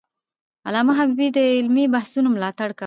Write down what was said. علامه حبيبي د علمي بحثونو ملاتړ کاوه.